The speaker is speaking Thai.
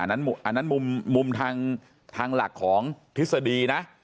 อันนั้นมุมทางหลักของทฤษฎีนะ